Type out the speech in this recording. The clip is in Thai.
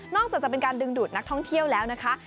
อกจากจะเป็นการดึงดูดนักท่องเที่ยวแล้วนะคะ